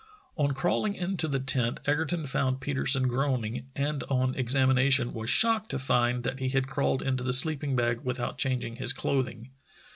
On crawling into the tent Egerton found Petersen groaning, and on examination was shocked to find that he had crawled into the sleeping bag without changing his clothing.